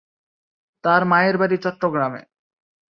তার মায়ের বাড়ি চট্টগ্রামে।